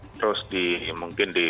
terus mungkin di